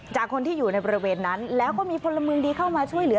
จากคนที่อยู่ในบริเวณนั้นแล้วก็มีพลเมืองดีเข้ามาช่วยเหลือ